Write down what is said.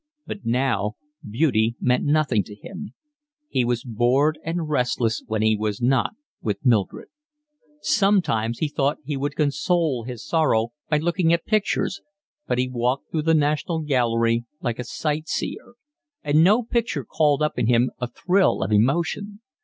But now beauty meant nothing to him. He was bored and restless when he was not with Mildred. Sometimes he thought he would console his sorrow by looking at pictures, but he walked through the National Gallery like a sight seer; and no picture called up in him a thrill of emotion.